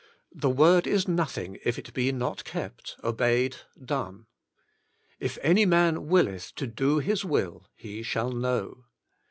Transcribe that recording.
The word is nothing if it be not kept, obeyed, done. "If any man willeth TO Do His Will, he shall Know."